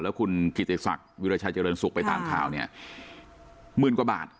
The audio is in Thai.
แล้วคุณกิจกษักษ์วิรัชาเจริญสุกไปตามข่าวเนี่ยค่ะหมื่นกว่าบาท